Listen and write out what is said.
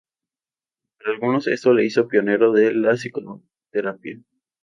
Para algunos esto le hizo pionero de la psicoterapia.